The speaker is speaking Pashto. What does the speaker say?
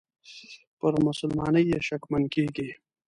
پر مسلماني یې شکمن کیږي.